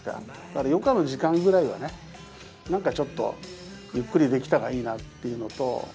だから余暇の時間ぐらいはねなんかちょっとゆっくりできたらいいなっていうのと。